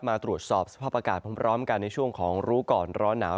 มาตรวจสอบสภาพอากาศพร้อมกันในช่วงของรู้ก่อนร้อนหนาว